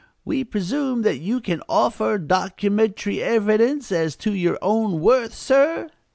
We presume that you can offer documentary evidence as to your own worth, sir?"